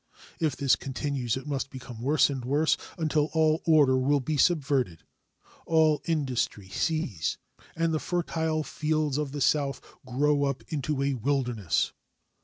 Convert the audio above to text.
If this continues it must become worse and worse, until all order will be subverted, all industry cease, and the fertile fields of the South grow up into a wilderness.